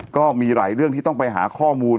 ก็มีหลายเรื่องที่ต้องไปหาข้อมูล